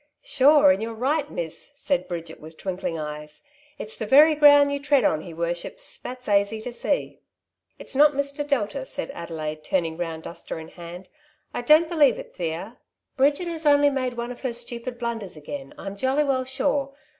'^ Sure and you're right. Miss/' said Bridget with twinkling eyes. " It's the very ground you tread on he worships, that's aisy to see." ''It's not Mr. Delta," said Adelaide, turning round duster in hand. '' I don't believe it, Thea. Bridget has only made one of her stupid blunders again, I'*m jolly well sure.